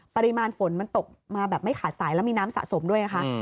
ปริมาณฝนมันตกมาแบบไม่ขาดสายแล้วมีน้ำสะสมด้วยนะคะ